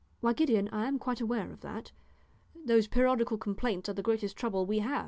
"Why, Gideon, I am quite aware of that; those periodical complaints are the greatest trouble we have."